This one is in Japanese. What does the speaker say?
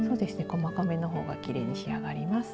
細かめのほうがきれいに仕上がります。